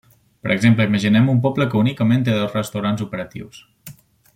Per exemple, imaginem un poble que únicament té dos restaurants operatius.